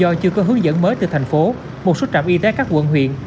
do chưa có hướng dẫn mới từ thành phố một số trạm y tế các quận huyện